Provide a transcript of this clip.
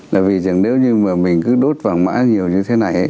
là vì nếu như mình cứ đốt vàng mã nhiều như thế này